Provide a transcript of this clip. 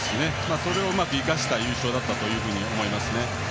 それをうまく生かした優勝だったと思います。